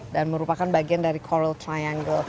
dan merupakan bagian dari coral triangle